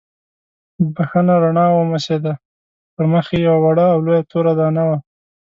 بښنه رڼا وموسېده، پر مخ یې یوه وړه او لویه توره دانه وه.